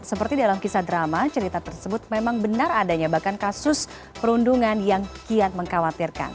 seperti dalam kisah drama cerita tersebut memang benar adanya bahkan kasus perundungan yang kian mengkhawatirkan